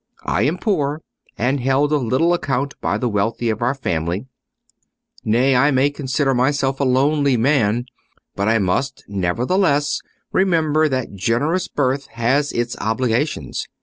I am poor, and held of little account by the wealthy of our family—nay, I may consider myself a lonely man—but I must nevertheless remember that generous birth has its obligations.